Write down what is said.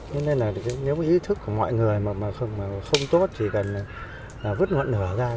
nên nếu ý thức của mọi người không tốt thì cần vứt ngọn nở ra